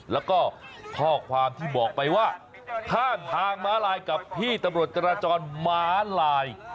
แล้วก็ข้อความที่บอกไปว่าข้างทางม้าลายกับพี่ตำรวจจราจรม้าลาย